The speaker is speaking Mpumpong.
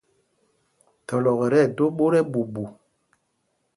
Thɔlɔk ɛ tí ɛdō ɓot ɛɓuuɓu.